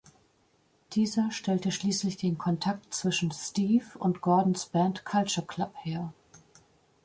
Dieser stellte schließlich den Kontakt zwischen Steve und Gorden´s Band Culture Club her.